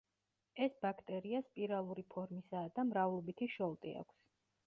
ეს ბაქტერია სპირალური ფორმისაა და მრავლობითი შოლტი აქვს.